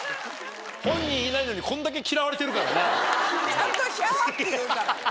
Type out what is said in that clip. ちゃんと「ヒャ」って言うから。